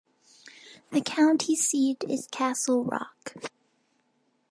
The county seat is Castle Rock.